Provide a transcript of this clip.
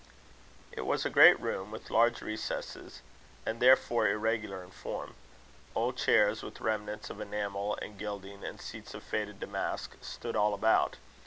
It was a great room, with large recesses, and therefore irregular in form. Old chairs, with remnants of enamel and gilding, and seats of faded damask, stood all about.